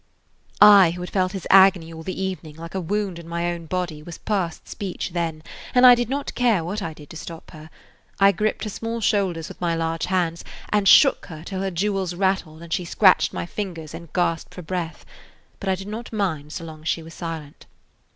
I, who had felt his agony all the evening [Page 60] like a wound in my own body, was past speech then, and I did not care what I did to stop her. I gripped her small shoulders with my large hands, and shook her till her jewels rattled and she scratched my fingers and gasped for breath. But I did not mind so long as she was silent.